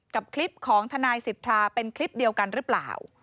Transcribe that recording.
กับคลิปของทนายสิทธาเป็นคลิปเดียวกันหรือเปล่า